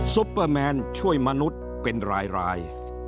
ซุปเปอร์แมนช่วยมนุษย์เป็นราย